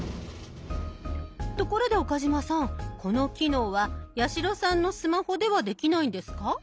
ところで岡嶋さんこの機能は八代さんのスマホではできないんですか？